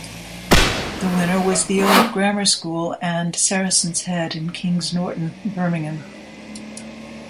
The winner was the Old Grammar School and Saracen's Head in Kings Norton, Birmingham.